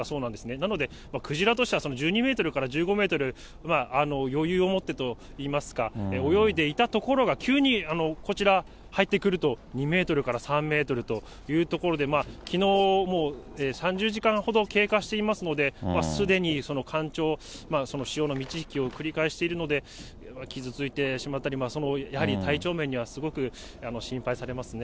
なので、クジラとしては１２メートルから１５メートル、余裕をもってといいますか、泳いでいたところが、急にこちら入ってくると２メートルから３メートルというところで、きのう、もう３０時間ほど経過していますので、すでに干潮、その潮の満ち引きを繰り返しているので、傷ついてしまったり、やはり体調面にはすごく心配されますね。